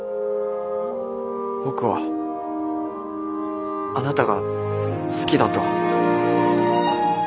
僕はあなたが好きだと。